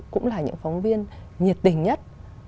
cũng là những phóng viên nhiệt tình nhất